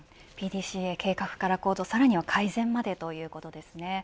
ＰＤＣＡ、計画から行動さらには改善までということですね。